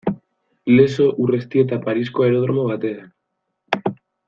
Lezo Urreiztieta Parisko aerodromo batean.